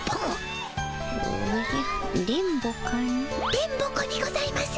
電ボ子にございます。